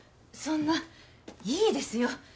そんないいですよ